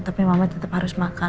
tapi mama tetap harus makan